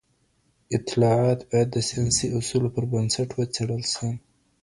اطلاعات باید د ساینسي اصولو پر بنسټ وڅېړل سي.